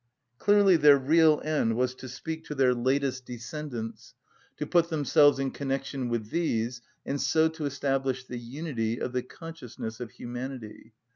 Clearly their real end was to speak to their latest descendants, to put themselves in connection with these, and so to establish the unity of the consciousness of humanity.